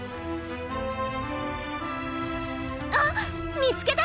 あっ見つけた！